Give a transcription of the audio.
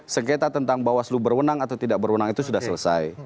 sengketa tentang bawaslu berwenang atau tidak berwenang itu sudah selesai